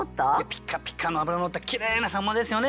ピカピカの脂乗ったきれいな秋刀魚ですよね。